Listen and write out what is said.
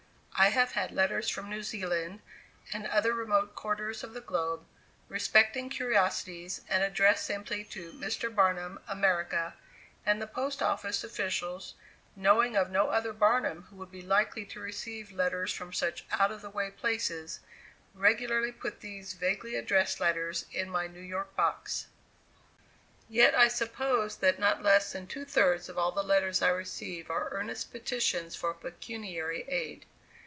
I have had letters from New Zealand, and other remote quarters of the globe, respecting curiosities, and addressed simply to "Mr. Barnum, America," and the post office officials, knowing of no other Barnum who would be likely to receive letters from such out of the way places, regularly put these vaguely addressed letters in my New York box. Yet I suppose that not less than two thirds of all the letters I receive are earnest petitions for pecuniary aid.